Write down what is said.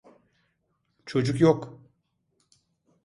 Çocuk yok.